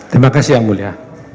terima kasih yang mulia